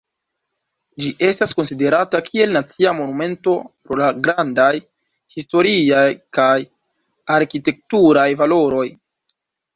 Ĝi estas konsiderata kiel nacia monumento pro la grandaj historiaj kaj arkitekturaj valoroj.